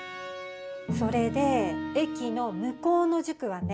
それでえきのむこうの塾はね。